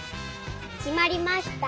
きまりました。